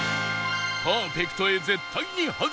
パーフェクトへ絶対に外せない！